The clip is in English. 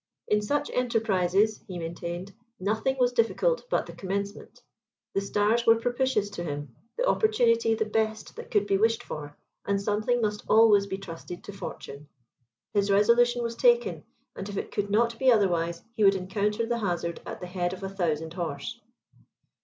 "In such enterprises," he maintained, "nothing was difficult but the commencement. The stars were propitious to him, the opportunity the best that could be wished for, and something must always be trusted to fortune. His resolution was taken, and if it could not be otherwise, he would encounter the hazard at the head of a thousand horse."